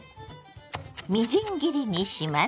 みじん切りにします。